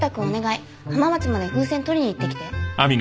浜松まで風船取りに行ってきて。